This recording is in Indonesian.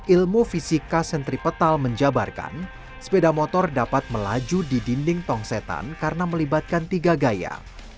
ilmu fisika sentripetal menjabarkan sepeda motor dapat melaju di dinding tongsetan karena melibatkan tiga gaya